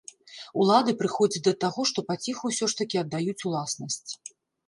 Улады прыходзяць да таго, што паціху ўсё ж такі аддаюць уласнасць.